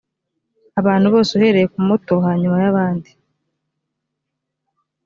abantu bose uhereye ku muto hanyuma y abandi